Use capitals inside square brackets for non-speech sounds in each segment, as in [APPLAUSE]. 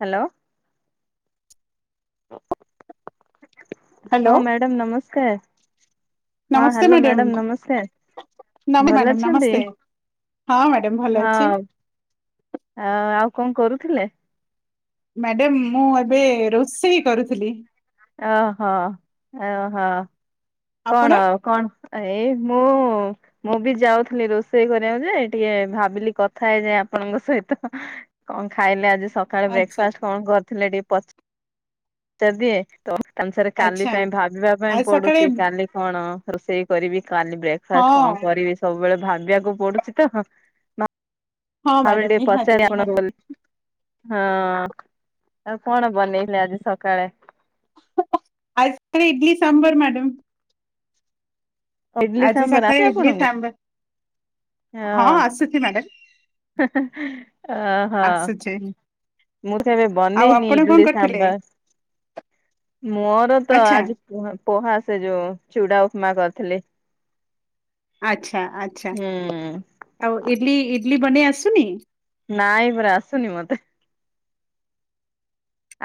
Hello hello ହଁ madam ନମସ୍କାର। ହଁ ନମସ୍ତେ ହ୍ୟାଲୋ ମ୍ୟାଡାମ ମ୍ୟାଡ଼ାମ୍ ନମସ୍କାର। ନମ ଭଲ ମ୍ୟାଡାମ ଅଛନ୍ତି ନମସ୍ତେ ହଁ ମ୍ୟାଡାମ ଭଲ ହଁ। ଅଛି। ଆ ଆଉ କଣ କରୁଥିଲେ? ମ୍ୟାଡ଼ାମ୍ ମୁଁ ଏବେ ରୋଷେଇ କରୁଥିଲି। ଓହୋ ଓହୋ ଆପଣ କଣ ଆଉ କଣ? ଏଇ ମୁଁ ମୁଁ ବି ଯାଉଥିଲି ରୋଷେଇ କରିବାକୁ ଯେ ଟିକେ ଭାବିଲି କଥା ହେଇ ଯାଇ ଆପଣଙ୍କ ସହିତ କଣ ଖାଇଲେ ଆଜି ସକାଳେ ଆଚ୍ଛା ବ୍ରେକ୍ଫାଷ୍ଟ କଣ କରିଥିଲେ ଟିକେ ପଚ ଜ ଦିଏ ତ ତାନୁସାରେ କାଲି ଆଚ୍ଛା ପାଇଁ ଭାବିବା ପାଇଁ ଆଉ ସକାଳେ ପଡ଼ୁଛି କାଲି କଣ ରୋଷେଇ କରିବି କାଲି ବ୍ରେକ୍ଫାଷ୍ଟ ହଁ କଣ କରିବି ସବୁବେଳେ ଭାବିବାକୁ ପଡ଼ୁଛି ତ ହଁ ଭାବିଲି ମ୍ୟାଡାମ ଟିକେ ନିହାତି ପଚାରେ ଆପଣଙ୍କୁ ନିହାତି ହଁ ଆଉ କଣ ବନେଇଲେ ଆଜି ସକାଳେ? ଆଇ ସ୍କ୍ରି ଇଟିଲି ସାମ୍ବର୍ ମ୍ୟାଡାମ୍। ଇଡଲି ଆଜି ସାମ୍ବର ଆସେ ସକାଳେ ଇଡଲି ଆପଣଙ୍କୁ? ସାମ୍ଵ ହଁ ଆସିଛି ମ୍ୟାଡାମ୍ [UNINTELLIGIBLE] ଅ ହ। ମୁଁ ତ କେବେ ଆଉ ବନେଇନି ଆପଣ କଣ ଇଡ୍ଲି କରିଥିଲେ? ସାମ୍ବର ମୋର ତ ଆଚ୍ଛା ଆଜି ପୁହା ପୋହା ସେ ଯୋଉ ଚୁଡ଼ା ଉପମା କରିଥିଲି। ଆଚ୍ଛା ଆଚ୍ଛା ହୁଁ ଆଉ ଇଡଲି ଇଡଲି ବନେଇ ଆସୁନି? ନାଇଁ ପରା ଆସୁନି ମତେ।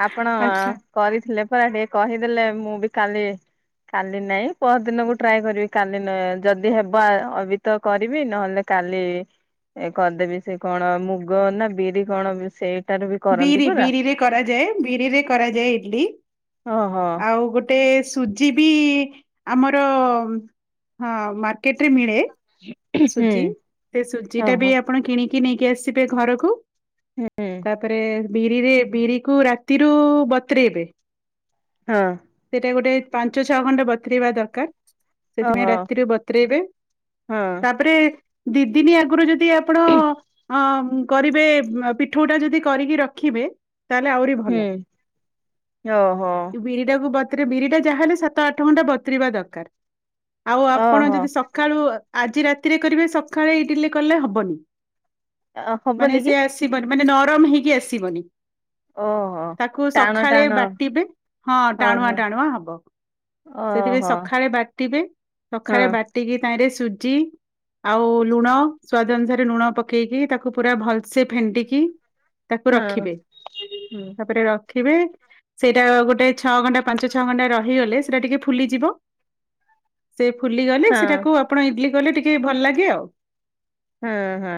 ଆପଣ ଆଚ୍ଛା କରିଥିଲେ ପରା ଟିକେ କହିଦେଲେ ମୁଁ ବି କାଲି କାଲି ନାଇଁ ପହର ଦିନକୁ ଟ୍ରାଏ କରିବି କାଲି ନାଇଁ ଯଦି ହେବ ଆ ଅବି ତ କରିବି ନହେଲେ କାଲି କରିଦେବି ସେ କଣ ମୁଗ ନା ବିରି କଣ ସେ ବିରି ବିରି ରେ କରାଯାଏ ବିରିରେ କରାଯାଏ ଇଡଲି। ଓହ ଆଉ ଗୋଟେ ସୁଜି ବି ଆମର ହଁ ମାର୍କେଟରେ ମିଳେ [UNINTELLIGIBLE] ସୁଧୀ ସେ ସୁଜି ଟା ବି ଓହୋ ଆପଣ କିଣିକି ନେଇକି ଆସିବେ ଘରକୁ ହୁଁ ତାପରେ ବିରିରେ ବିରି କୁ ରାତିରୁ ବତୁରେଇବେ ହଁ। ସେଇଟା ଗୋଟେ ପାଞ୍ଚ ଛଅ ଖଣ୍ଟା ବତୁରେଇବା ଦରକାର ସେଥିପାଇଁ ଓହୋ ରାତିରୁ ବତରେଇବେ। ହଁ। ତାପରେ ଦି ଦିନି ଆଗରୁ ଯଦି ଆପଣ ଅ କରିବେ ପିଠଉ ଟା ଯଦି କରିକି ରଖିବେ ତାହେଲେ ଆଉରି ଭଲ। ହୁଁ ଓହୋ ବିରିଟାକୁ ବତରେ ବିରିଟା ଯାହାହେଲେ ସାତ ଆଠ ଘଣ୍ଟା ବତୁରିବା ଦରକାର ଆଉ ଆପଣ ଓହୋ ଯଦି ସ ସକାଳୁ ଆଜି ରାତିରେ କରିବେ ସକାଳେ ଇଟିଲି କଲେ ହବନି। ମାନେ ହବନି କି ସେ ଆସିବନି ମାନେ ନରମ ହେଇକି ଆସିବନି। ଓହୋ ତାକୁ ଟାଣ ସକାଳେ ଟାଣ ବାଟିବେ ହଁ ଟାଣୁଆ ଓହୋ ଟାଣୁଆ ହବ। ସେଥିପାଇଁ ଓହୋ ସକାଳେ ବାଟିବେ ହଁ ସକାଳେ ବାଟିକି ତାଇଁରେ ସୁଜି ଆଉ ଲୁଣ ସ୍ୱାଦ ଅନୁସାରେ ଲୁଣ ପକେଇକି ତାକୁ ପୁରା ଭଲସେ ଫେଣ୍ଟିକି ତାକୁ ହଁ ରଖିବେ ହୁଁ ତାପରେ ର ଦେଖିବେ ସେଇଟା ଗୋଟେ ଛଅ ଘଣ୍ଟା ପାଞ୍ଚ ଛଅ ଘଣ୍ଟା ରହିଗଲେ ସେଟା ଟିକେ ଫୁଲିଯିବ। ସେ ଫୁଲି ଗଲେ ହଁ ସେଟାକୁ ଆପଣ ଇଟିଲି କଲେ ଟିକେ ଭଲ ଲାଗେ ଆଉ। ହୁଁ ହୁଁ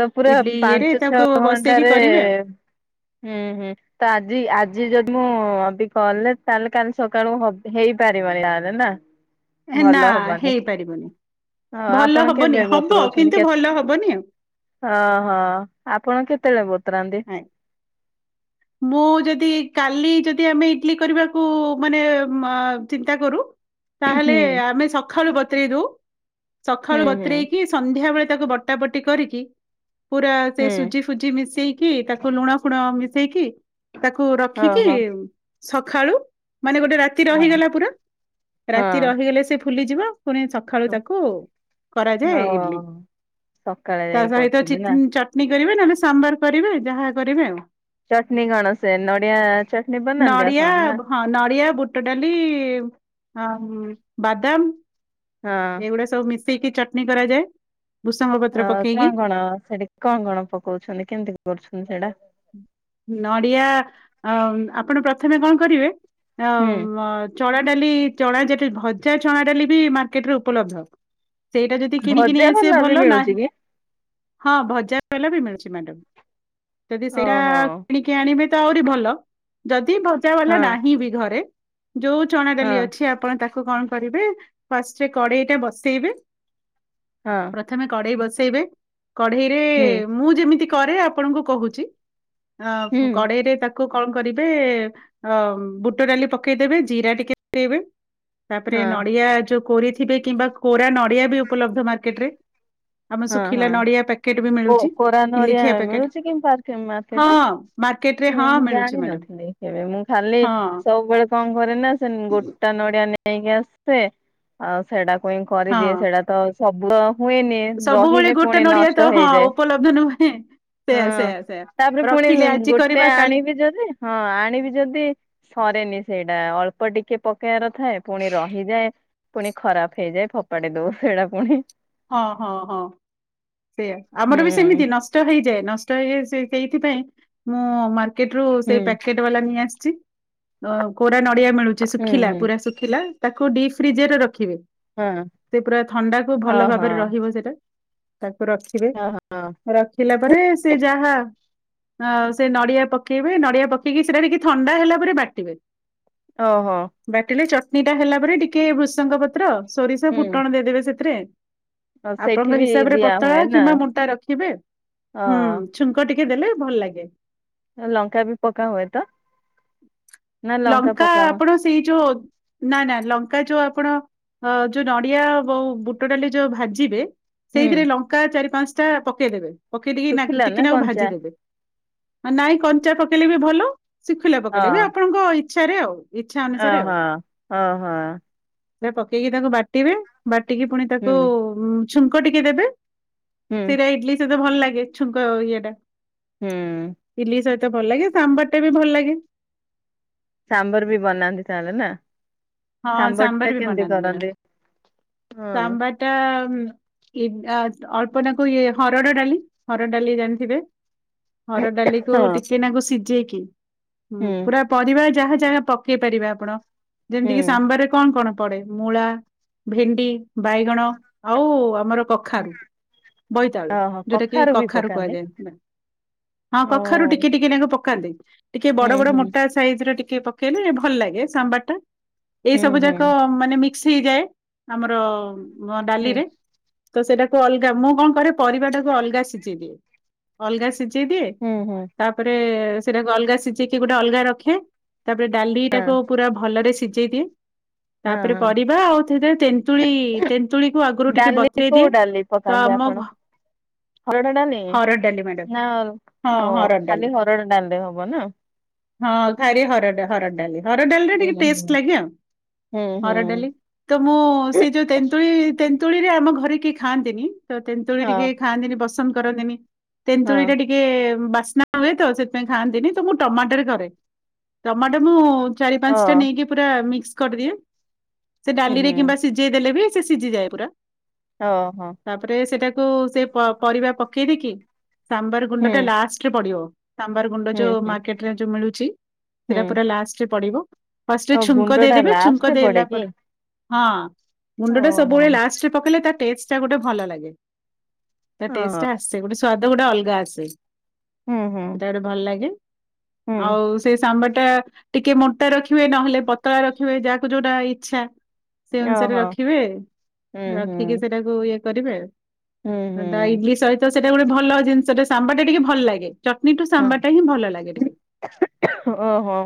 ତ ପୁରା ଇଡଲି ଇଏରେ ପାଞ୍ଚ ଛଅ ତାକୁ ବସେଇକି ଘଣ୍ଟାରେ କରିବେ ଆଉ ହୁଁ ହୁଁ। ତ ଆଜି ଆଜି ଯଦି ମୁଁ ଅବି କଲ୍ ରେ ତାହେଲେ କାଲି ସକାଳୁ ହେଇପାରିବନି ତାହେଲେ ନା? ନା ଭଲ ହବନି ହେଇପାରିବନି ହଁ ଭଲ ଆପଣ କେବେ ହବନି ହବ କିନ୍ତୁ ଭଲ ହବନି ଆଉ। ଓହ ଆପଣ କେତେବେଳେ ବତୁରାନ୍ତି? ଆଜ୍ଞା। ମୁଁ ଯଦି କାଲି ଯଦି ଆମେ ଇଟିଲି କରିବାକୁ ମାନେ ଚିନ୍ତା କରୁ। ତାହେଲେ ହୁଁ ଆମେ ସକାଳୁ ବତୁରେଇ ଦଉ ସକାଳୁ ହୁଁ ହୁଁ ବତୁରେଇକି ସନ୍ଧ୍ୟା ବଳେ ତାକୁ ବଟା ବଟି କରିକି ପୁରା ସେ ହୁଁ ସୁଜି ସୁଜି ମିଶେଇକି ତାକୁ ଲୁଣ ଫୁଣ ମିଶେଇକି ତାକୁ ରଖିକି ଓହୋ ସକାଳୁ ମାନେ ଗୋଟେ ରାତି ହଁ ରହିଗଲା ପୁରା ରାତି ହଁ ରହିଗଲେ ସେ ଫୁଲିଯିବ ପୁଣି ଖାଳୁ ତାକୁ ଓ କରାଯାଏ ଇଟିଲି ସକାଳେ ତା ଯାଇ ସହିତ ଚି କରୁଛନ୍ତି ନା ଚଟ ଚଟଣୀ କରିବେ ନହେଲେ ସମ୍ବାର କରିବେ ଯାହା କରିବେ ଆଉ। ଚଟଣୀ କଣ ସେ ନଡିଆ ଚଟଣୀ ବନାନ୍ତି ନଡିଆ ଆପଣ ନା ହଁ ନଡ଼ିଆ ବୁଟ ଡାଲି ବାଦାମ। ହଁ ଏଗୁଡା ସବୁ ମିଶେଇକି ଚଟଣି କରାଯାଏ। ଭୃସଙ୍ଗ ପତ୍ର ଅ କଣ ପକେଇକି କଣ ସେଠି କଣ କଣ ପକଉଛନ୍ତି କେମିତି କରୁଛନ୍ତି ସେଟା? ନଡ଼ିଆ ଅ ଆପଣ ପ୍ରଥମେ କଣ କରିବେ ଅ ହୁଁ ଚଣା ଡାଲି ଚଣା ଯେଠି ଭଜା ଚଣା ଡାଲି ବି ମାର୍କେଟ ରେ ଉପଲବ୍ଧ। ସେଇଟା ଯଦି କିଣିକି ଭଜା ନେଇ ଆସିବ ବାଲା ବି ଭଲ ନାଁ ମିଳୁଛି କି ହଁ ବଜାର ଗଲେବି ବି ମିଳୁଛି ମ୍ୟାଡାମ୍ ଯଦି ସେଇଟା ଓହୋ କିଣି କିଏ ଆଣିବେ ତ ଆହୁରି ଭଲ ଯଦି ଭଜା ହଁ ବାଲା ନାହିଁ ବି ଘରେ ଯୋଉ ଚଣା ହଁ ଡାଲି ଅଛି ଆପଣ ତାକୁ କଣ କରିବେ ଫାଷ୍ଟରେ କଡେଇଟା ବସେଇବେ? ହଁ। ପ୍ରଥମେ କଢେଇ ବସେଇବେ କଢେଇରେ ହୁଁ ମୁଁ ଯେମିତି କରେ ଆପଣଙ୍କୁ କହୁଛି। ହୁଁ ହଁ କଡେଇରେ ତାକୁ ତାକୁ କଣ କରିବେ ଅ ବୁଟ ଡାଲି ପକେଇଦେବେ ଜିରା ଟିକେ ପକେଇବେ। ତାପରେ ହଁ ନଡିଆ ଯୋଉ କୋରିଥିବେ କିମ୍ବା କୋରା ନଡିଆ ବି ଉପଲବ୍ଧ ମାର୍କେଟେ ରେ। ଆମ ହଁ ଶୁଖିଲା ହଁ ନଡିଆ ପ୍ୟାକେଟ ବି କୋ ମିଳୁଛି କୋରା ନଡିଆ କିଲିଖିଆ ପ୍ୟାକେଟ ମିଳୁଚି କି ହଁ ମାର୍କେଟ୍ ରେ। ମାର୍କେଟ ରେ ସେ ହଁ ମୁଁ ମିଳୁଛି ମ୍ୟାଡାମ ଜାଣିନଥିଲି କେବେ ମୁଁ ଖାଲି ହଁ ସବୁବେଳେ କଣ କରେ ନା ସେ ଗୋଟା ନଡିଆ ନେ ଯାଇକି ଆସେ ଆଉ ସେଟାକୁ ହିଁ କରିଦିଏ ହଁ ସେଇଟା ତ ସବ୍ଦ ହୁଏନି। ସବୁବେଳେ ରହିଲେ ଗୋଟେ ପୁଣି ନଡିଆ ତ ନଷ୍ଟ ହଁ ହେଇଯାଏ। ଉପଲବ୍ଧ ନୁହେଁ। ହଁ ସେୟା ସେୟା ସେୟା ତାପରେ ପୁଣି ରଖିଲେ ଆଜି ଗୋଟେ କରିବା କାଲି ଆଣିବି ଯଦି ହଁ ଆଣିବି ଯଦି ସରେନି ସେଇଟା ଅଳ୍ପ ଟିକେ ପକେଇବାର ଥାଏ ପୁଣି ରହିଯାଏ। ପୁଣି ଖରାପେ ହେଇଯାଏ ଫୋପାଡି ଦୋଉ ସେଇଟା ପୁଣି। ହଁ ହଁ ହଁ ସେଇଆ ହୁଁ ଆମର ବି ସେମିତି ନଷ୍ଟ ନଷ୍ଟ ହୋଇଯାଏ ନଷ୍ଟ ହୋଇ ସେ ଏଇଥି ପାଇଁ ମୁଁ ମାର୍କେଟେରୁ ସେ ହୁଁ ପାକେ ପାକେଟେ ଵାଲା ନେଇ ଆସିଛି କୋରା ନଡିଆ ମିଳୁଛି ହୁଁ ଶୁଖିଲା ହୁଁ। ପୁରା ଶୁଖି ତାକୁ ଡି ଫ୍ରିଜି ରଖିବେ ହଁ ସେ ପୁରା ଥଣ୍ଡାକୁ ଭଲ ଭାବ ଓହୋ ସେଟା [UNINTELLIGIBLE] ତାକୁ ରଖିବେ ଓହୋ ରଖିଲା ପରେ ସେ ଯାହା ଆ ସେ ନଡିଆ ପକେଇବେ ନଡିଆ ପକେଇକି ସେଟା ଟିକେ ଥଣ୍ଡା ହେଲା ପରେ ବାଟିବେ। ଓହୋ। ବାଟିଲେ ଚଟଣୀ ଟା ହେଲା ପରେ ଟିକେ ଭୃଷଙ୍ଗ ପତ୍ର ସୋରିଷ ହୁଁ। ଫୁଟଣ ଦେଇଦେବେ ସେଥିରେ। ହଁ ସେଇଠି ଆପଣଙ୍କ ବି ହିସାବରେ ଦିଆ ପତଳା ହୁଏ ନା କିମ୍ବା ମୋଟା ରଖିବେ ହୁଁ। ହଁ ଛୁଙ୍କ ଟିକେ ଦେଲେ ଭଲ ଲାଗେ। ଲଙ୍କା ବି ପକା ହୁଏ ତ ନା ଲଙ୍କା ପକା ହୁଏ। ସେଇ ଯୋଉ ନା ନା ଲଙ୍କା ଯୋଉ ଆପଣ ଯୋଉ ନଡିଆ ବ ବୁଟ ଡାଲି ଯୋଉ ଭାଜିବେ ସେଇଥିରେ ହୁଁ ଲଙ୍କା ଚାରି ପାଞ୍ଚ ଟା ପକେଇଦେବେ। ପକେଇ ଟକି ଶୁଖିଲା ଟିକି ନା ନାକୁ ଭାଜି କଞ୍ଚା ଦେେବେଉ ନାଇଁ କଞ୍ଚା ପକେଇଲେ ବି ଭଲ। ଶିଖିଲେ ପକେଇଲେ ବି ହଁ ଆପଣଙ୍କ ଇଚଛାରେ ଆଉ ଇଚ୍ଛା ଅନୁସାରେ ଆଉ ଓହୋ ଓହୋ ସେ ପକେଇକି ତାକୁ ବାଟିବେ ବାଟିକି ପୁଣି ତା ହୁଁ। ଉ ଛୁଙ୍କ ଟିକେ ଦେବେ ହୁଁ ସେଇଟା ଇଡଲି ସହିତ ଭଲ ଲାଗେ ଛୁଙ୍କ ଇଏଟା। ହୁଁ ଇିଲଲି ସହିତ ଭଲ ଲାଗେ ସାମ୍ବାର ଟା ବି ଭଲ ଲାଗେ। ସାମ୍ବର ବି ବନାନ୍ତି ତାହେଲେ ନା। ହଁ ସାମ୍ବର ଟା ସାମ୍ବାର ବି କେମିତି ବନାନ୍ତି ମ୍ୟାଡାମ କରନ୍ତି ହଁ ସାବର। ଏଟା ଅଳ୍ପନାକୁ ଇଏ ହରଡ଼ ଡାଲି ହରଡ଼ ଡାଲି ଜାଣିଥିବେ? ହର ଡାଲିକୁୁ ହଁ ଟିକେ ନାକୁ ସିଝେଇକିଁ ହୁଁ ପୁରା ପରିବା ଯାହା ଯାହା ପକେଇ ପାରିବେ ଆପଣ? ଯେମିତି କିି ହୁଁ ସାମ୍ବାରରେ କଣ କଣ ପଡେ ମୂଳା ଭେଣ୍ଡି ବାଇଗଣ? ଆଉ ଆମର କଖାରୁ ବୋଇତାଳୁ ଓହୋ ଯୋଉଟା କି ବି କଖାରୁ ପକାନ୍ତି କୁହାଯାଏ ନା? ହଁ ଓ କଖାରୁ ଟିକେ ଟିକେ ଲକେ ପକାନ୍ତି। ଟିକେ ହୁଁ ବଡ ବଡ ହୁଁ ମୋଟା ସାଇଜ ର ଟିକେ ପକେଇଲେ ଭଲ ଲାଗେ ସାମ୍ବାର ଟା। ଏଇ ହୁଁ ସବୁ ହୁଁ ଯାକ ମାନେ ମିକ୍ସ ହେଇଯାଏ ଆମର ହୁଁ ଡାଲିରେ। ତ ସେଟାକୁ ଅଲଗା ମୁଁ କଣ କରେ ପରିବାଟାକୁ ଅଲଗା ସିଝେଇ ଦିଏ ଅଲଗା ସିଝ ସିଝେଇ ଦିଏ ହୁଁ ହୁଁ ତାପରେ ସେଟାକୁ ଅଲଗା ସିଝେଇକି ଗୋଟେ ଅଲଗା ରଖେ। ତାପରେ ହଁ ଡାଲିଟାକୁ ପୁରା ଭଲରେ ସିଝେଇ ଦିଏ। ହଁ ତାପରେ ହଁ ପରିବା ଆଉ ସେରେ ତେନ୍ତୁୀ ତେନ୍ତୁଳିକୁ ଆଗରୁ ଟିକେ ଡାଲି ବତ କୋଉ ଡାଲି ପକାନ୍ତି ଆପଣ? ହରଡ଼ ଡାଲି। ହରଡ଼ ଡାଲି ମ୍ୟାଡାମ ନା ହଁ ହରଡ଼ ଡାଲି ଖାଲି ହରଡ଼ ଡାଲିରେ ହବ ନା? ହଁ ଖାଇରେ ହର ହରଡାଲି ହରଡାଲିରେ ହୁଁ ଟିକେ ହୁଁ। ଟେଷ୍ଟ ଲାଗେ ଆଉ। ହୁଁ ହୁଁ। ହରଡ଼ ଡାଲି ତ ମୁଁ ସେ ଯୋଉ ତେନ୍ତୁଳି ତେନ୍ତୁଳି ରେ ଆମ ଘରେ କିଏ ଖାଆନ୍ତିନି। ତ ତେନ୍ତୁଳି ହଁ ଟିକେ ଖାଆନ୍ତିନି ବସନ୍ଦ କରନ୍ତିନି ହଁ ତେନ୍ତୁଳି ଟା ଟି ଟିକେ ବାସ୍ନା ହୁଏ ତ ସେଥିପାଇଁ ଖାଆନ୍ତିନି ତ ମୁଁ ଟମାଟୋରେ କରେ ଟମାଟୋ ମୁଁ ଅ [INAUDIBLE] ଯି ଦେଲେ ବି ହୁଁ ହୁଁ ସେ ସିଝିଯାଏ ପୁରା। ଓହୋ। ତାପରେ ସେଟାକୁ ସେ ପରିବା ପକେଇ ଦେଇକି ସାମ୍ବାର ହୁଁ ଗୁଣ୍ଡ ଟା ଲାଷ୍ଟରେ ପଡିବ। ସାମ୍ବାର ଗୁଣ୍ଡ ହୁଁ ଯୋଉ ହୁଁ ମାର୍କେଟରେ ଯୋଉ ମିଳୁଛି ହୁଁ ସେଟା ପୁରା ଲାଷ୍ଟରେ ପଡିବ। ଫାଷ୍ଟରେ ଓ ଛୁଙ୍କ ଗୁଣ୍ଡ ଟା ଦେଇଦେବେ ଛୁଙ୍କ ଲାଷ୍ଟରେ ପଡେ ଦେଇଲା କି? ପରେ। ହଁ ଗୁଣ୍ଡ ଟା ଓହୋ ସବୁବେଳେ ଲାଷ୍ଟରେ ପକେଇଲେ ତା ଟେଷ୍ଟ ଟା ଗୋଟେ ଭଲ ଲାଗେ। ତା ହଁ ଟେଷ୍ଟା ଆସେ ଗୋଟେ ସ୍ଵାଦ ଗୋଟେ ଅଲଗା ଆସେ। ହୁଁ ହୁଁ। ସେଟା ଭଲ ଲାଗେ ହୁଁ ଆଉ। ସେ ସାମ୍ବର ଟା ଟିକେ ମୋଟା ରଖିବେ ନହେଲେ ପତଳା ରଖିବେ ଯାହାକୁ ଯୋଉଟା ଇଚ୍ଛା। ସେ ଅନୁସାରେ ଓହୋ ରଖିବେ ହୁଁ ହୁଁ। ରଖିକି ସେଟା ଇଏ କରିବେ ହୁଁ ହୁଁ ଡା ଇଡିଲ ସହିତ ସେଇଟା ଗୋଟେ ଭଲ ଜିନିଷଟେ ସାମ୍ବର ଟା ଟିକେ ଭଲ ଲାଗେ। ଚଟଣି ଠୁ ହଁ ସାମ୍ବର ଟା ହିଁ ଭଲ ଲାଗେ ଟିକେ। ଓହୋ।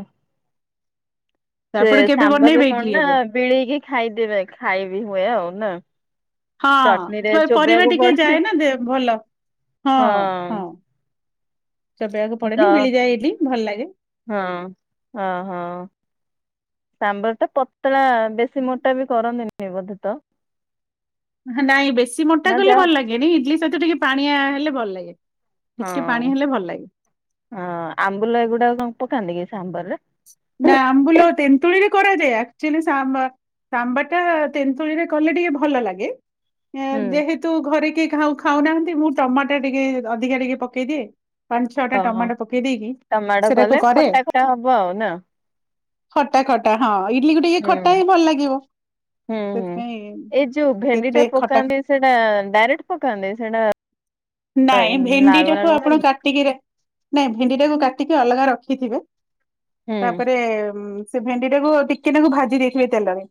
ସେ ଆପଣ କେବେ ସାମ୍ବର ବନେଇବେ କଣ ଇଡଲି ନା ଏବେ? ବିଳେଇକି ଖାଇଦେବେ ଖାଇବି ହୁଏ ଆଉ ନା। ଚଟନୀରେ ହଁ ପରିବା ଚୋବେଇବାକୁ ଟିକେ ପଡେ ଯାଏ ନା ଦେ ଭଲ ହଁ ହଁ। ଚି଼ବେଇ ବାକୁ ତ ପଡେନି ମିଳିଯାଏ ବି ଭଲ ଲାଗେ। ହଁ ହଁ ହଁ। ସାମ୍ବର ଟା ପତଳା ବେଶୀ ମୋଟା ବି କରନ୍ତିନି ବୋଧେ ତ। ନାଇଁ ବେଶୀ ମୋଟା ନା କଲେ ଯାହା ଭଲ ଲାଗେନି ଇଡଲି ସହିତ ଟିକେ ପାଣିଆ ହେଲେ ଭଲ ଲାଗେ। ହଁ ଟିକେ ପାଣି ହେଲେ ଭଲ ଲାଗେ ହଁ ଆମ୍ବୁଲ ଗୁଡା କଣ ପକାନ୍ତି କି ସେ ଆମ୍ବରରେ। ନା ଆମ୍ବୁଲ ତେନ୍ତୁଳିୀରେ କରାଯ ଯାଚୁଆଲି ସାମ୍ବର। ସାମ୍ବର ଟା ତେନ୍ତୁଳି ରେ କଲେ ଟିକେ ଭଲ ଲାଗେ। ହୁଁ ଯେହେତୁ ଘରେ କେହି ଖାଉନାହାନ୍ତି ମୁଁ ଟମାଟୋ ଟିକେ ଅଧିକା ଟିକେ ପକେଇଦିଏ। ପାଞ୍ଚ ଛଅ ଟା ଓହୋ ଟମାଟୋ ପକେଇ ଦେଇେଇକି ସେଟାକୁ କରେ। ସେଟା ହବ ଆଉ ନା। ଖଟା ଖଟା ହଁ ଇଡଲି କୁ ଟିକେ ହୁଁ ଖଟା ହିଁ ଭଲ ଲାଗିବ। ହୁଁ ହୁଁ ସେଥିପାଇଁ ଏଇ ଯୋଉ ଭେଣ୍ଡି ସେଥିରେ ଟା ଖଟା ପକାନ୍ତି ସେଇଟା ଡାଇରେକ୍ଟ ପକାନ୍ତି ସେଇଟା। ନାଇଁ ଭେଣ୍ଡି ଲାଳୁଆ ଟାକୁ ଲାଳୁଆ ଆପଣ ହୁଏନି? କା ଟିକିରେ ନାଇଁ ଭେଣ୍ଡି ଟାକୁ କାଟିକି ଅଲଗା ରଖିଥିବେ ହୁଁ ତାପରେ ସେ ଭେଣ୍ଡି ଟାକୁ ଟିକେ ନାକୁ ଭାଜି ଦେଇଥିବେ ତେଲରେ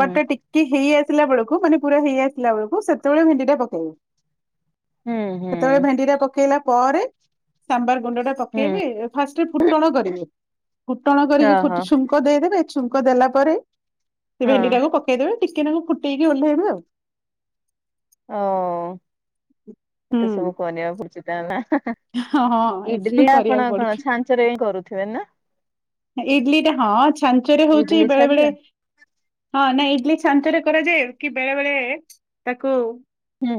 ହୁଁ ଟା ଟିକେ ହେଇସିବ ଥିଲା ବବେଳକୁ ମାନେ ପୁରା ହେଇ ଆସିଲ ବଳକୁ ସେତେବେଳେ ଭେଣ୍ଡି ଟା ପକେଇବେ। ହୁଁ ହୁଁ ହୁଁ ସେତେବେଳେ ଭେଣ୍ଡି ଟା ପକେଇଲା ପରେ ସାମ୍ବାର ଗୁଣ୍ଡ ଟା ହୁଁ ପକେଇବେ ଫାଷ୍ଟରେ ଫୁଟଣ କରିବେ ଫୁଟଣ ଓହୋ କରିକି ଛୁଙ୍କ ଦେଇଦେବେ ଛୁଙ୍କ ଦେଲା ପରେ ସେ ହଁ। ଭେଣ୍ଡି ଟାକୁ ପକେଇଦେବେ ଟିକେ ନାକୁ ଫୁଟେଇକି ଓହ୍ଲେଇବେ ଆଉ। ହ ହୁଁ। ଏତେ ସବୁ କରିବାକୁ ପଡୁଛି ତାହାଲେ। ହଁ ହଁ ଇଡଲି ଏଥିପାଇଁ କରିବାକୁ ଆପଣଙ୍କ ପଡୁଛି ଛାଞ୍ଚରେ ହିଁ କରୁଥିବେ ନା। ଇଡଲି ଟା ହଁ ଛାଞ୍ଚରେ ହଉଛି ଇଡିଲି ବେଳେ ଛାଞ୍ଚ ବେଳେ। ହଁ ନାଇଁ ଇଡଲି ଶାନ୍ତରେ କରାଯାଏ କି ବେଳେ ବେଳେ ତାକୁ। ହୁଁ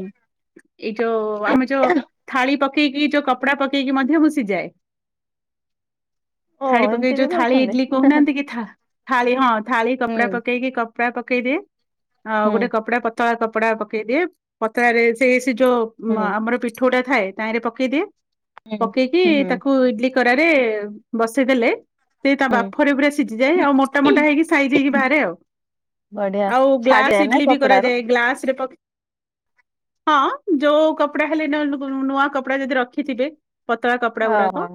ଏଇ ଯୋଉ ଆମେ ଯୋଉ ଥାଳି ପକେଇକି। ଯୋଉ କପଡ଼ା ପକେଇକି ମଧ୍ୟ ମୁଁ ସିଯାଏ। ଓ ଥାଳି ପକେଇକ ଏମିତି ବି ଯୋଉ ଥାଳି କରୁଛନ୍ତି। ଇଡଲି କହୁନାହାନ୍ତି କି ଥା ଥାଳି ହଁ ଥାଳି କପଡା ହୁଁ ପକେଇକି କପଡା ପକେଇଦିଏ ଆଉ ହୁଁ ଗୋଟେ କପଡା ପେଇ ପତଳେ କପଡା ପକେଇଦିଏ ପତଳାରେ ସେଇ ସେ ଯୋଉ ହୁଁ ଆମର ପିଠୁଟା ଥାଏ ତାରେ ପକେଇ ଦିଏ। ପକେଇକି ହୁଁ ତାକୁ ଇଡଲି କରାରେ ବସେଇଦେଲେ ସେଇ ତା ହୁଁ। ବାମ୍ପରେ ପୁରା ସିଝିଯାଏ ଆଉ ମୋଟା ମୋଟା ହେଇକି ସାଇଯି ହେଇକି ବାହାରେ ଆଉ। ବଢିଆ ଆଉ ଛାଡିଆ ଗ୍ଲାସ ନା ଇଡଲି ବି କପଡାରୁ କରାଯାଏ ଗ୍ଲାସ ରେ ହଁ ଯୋଉ କପଡା ହେଲେ ନ ଗୁ ନୂଆ କପଡା ଯଦି ରଖିଥିବେ। ପତଳା କପଡା ଗୁଡାକ ଓହୋ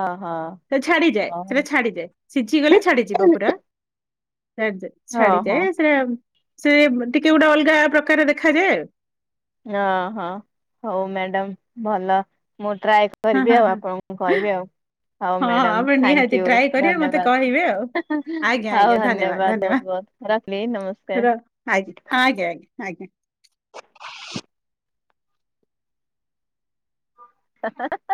ଓହୋ ସେ ଛାଡିଯାଏ ଓହୋ। ସେଟା ଛାଡିଯାଏ। ସିଝି ଗଲେ ଛାଡିଯିବ ପୁରା ଛାଡିଯାଏ ଓହୋ ଛାଡିଯାଏ ସେଟା। ସେ ବ ଟିକେ ଗୋଟେ ଅଲଗା ପ୍ରକାର ଦେଖାଯାଏ। ଇୟ ହଁ ହଉ ମ୍ୟାଡାମ ଭଲ ମୁଁ ଟ୍ରାଏ କରିବି ହଁ ହଁ ଆଉ ଆପଣଙ୍କୁ ହଁ। କହିବି ଆଉ। ହଉ ହଁ ମ୍ୟାଡ଼ାମ ଆପଣ ଥ୍ୟାଙ୍କ ନିହାତି ୟୁ ଟ୍ରାଏ କରିବେ ମତେ କହିବେ ଆଉ। ଧନ୍ୟବାଦ ହାଁ ହାଁ ଆଉ ଧନ୍ୟବାଦ ବହୁତ ବହୁ ରଖିଲି ର ଆଜ୍ଞା ହଁ ନମସ୍କାର। ଆଜ୍ଞା ଆଜ୍ଞା ଆଜ୍ଞା। ହା ହା ହା